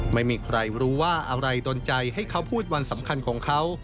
ไม่มีใครรู้ว่าอะไรดนใจให้เขาพูดวันสำคัญของเขา